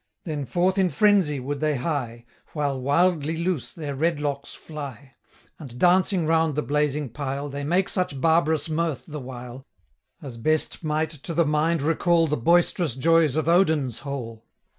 Then forth, in frenzy, would they hie, While wildly loose their red locks fly, And dancing round the blazing pile, 20 They make such barbarous mirth the while, As best might to the mind recall The boisterous joys of Odin's hall.